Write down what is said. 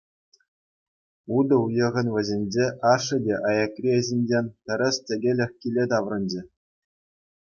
Утӑ уйӑхӗн вӗҫӗнче ашшӗ те аякри ӗҫӗнчен тӗрӗс-тӗкелех киле таврӑнчӗ.